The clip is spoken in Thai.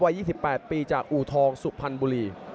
วัย๒๘ปีจากอูทองสุพันธ์บุรี